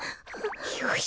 よし！